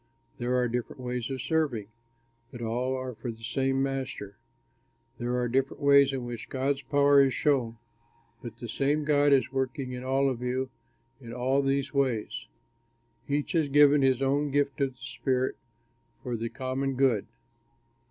There are different ways of serving, but all are for the same Master. There are different ways in which God's power is shown, but the same God is working in all of you in all these ways. Each is given his own gift of the Spirit for the common good.